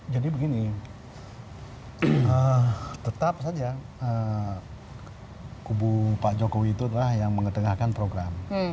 jadi begini tetap saja kubu pak jokowi itulah yang mengedengarkan program